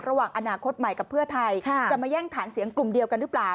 ระหว่างอนาคตใหม่กับเพื่อไทยจะมาแย่งฐานเสียงกลุ่มเดียวกันหรือเปล่า